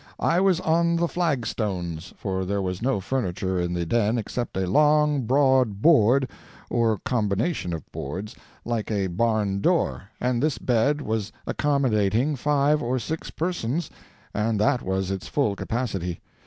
I was on the flag stones, for there was no furniture in the den except a long, broad board, or combination of boards, like a barn door, and this bed was accommodating five or six persons, and that was its full capacity.